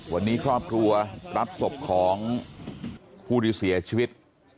วันนี้ครอบครัวรับศพของผู้ที่เสียชีวิต